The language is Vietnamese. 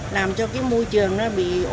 làm cho cái môi trường nó bị ô nhiễm